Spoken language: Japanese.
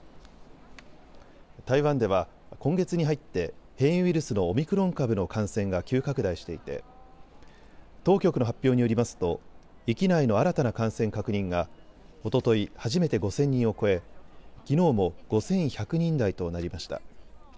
台湾では今月に入って変異ウイルスのオミクロン株の感染が急拡大していて当局の発表によりますと域内の新たな感染確認がおととい初めて５０００人を超え、きのうも５１００人台となりました。